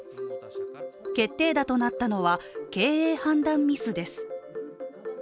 決定打となったのは経営判断ミスです。